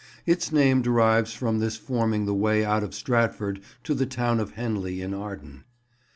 Its name derives from this forming the way out of Stratford to the town of Henley in Arden.